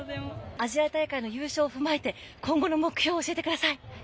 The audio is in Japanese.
アジア大会の優勝を踏まえて今後の目標を教えてください。